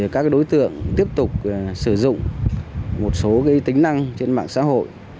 các đối tượng tiếp tục sử dụng một số tính năng trên mạng xã hội